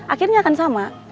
akhirnya akan sama